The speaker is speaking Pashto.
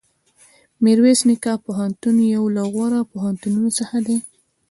میرویس نیکه پوهنتون یو له غوره پوهنتونونو څخه دی.